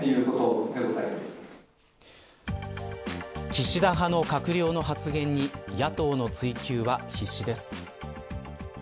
岸田派の閣僚の発言に野党の追及は必至です。